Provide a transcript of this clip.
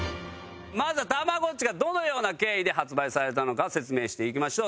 まずはたまごっちがどのような経緯で発売されたのかを説明していきましょう。